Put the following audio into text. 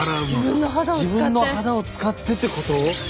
自分の肌を使ってってこと？